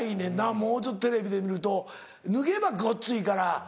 もうちょっとテレビで見ると脱げばごっついから。